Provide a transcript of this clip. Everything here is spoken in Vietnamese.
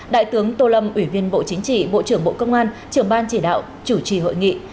đại tướng tô lâm ủy viên bộ chính trị bộ trưởng bộ công an trưởng ban chỉ đạo chủ trì hội nghị